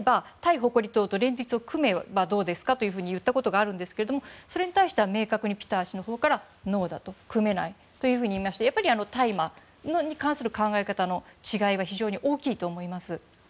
誇り党と連立を組めばどうですかと言ったことがあるんですけれどもそれに対して明確にピタ氏からノーだと、組めないとありまして大麻に関する考え方の違いは非常に大きいと思います。